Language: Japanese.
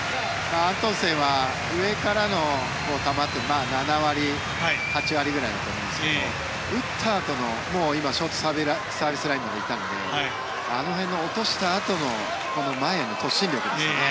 アントンセンは上からの球って７割、８割ぐらいだと思うんですけど打ったあとのショートサービスラインまで行ったのであの辺、落としたあとの前への突進力ですよね。